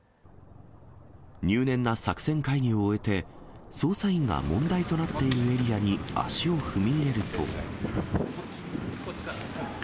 入念な作戦会議を終えて、捜査員が問題となっているエリアに足を踏み入れると。